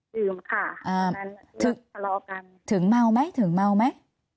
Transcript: ดื่มค่ะถึงเมาไหมถึงเมาไหม